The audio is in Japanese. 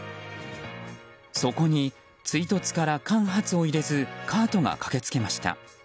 そこに、追突から間髪を入れずカートが駆けつけました。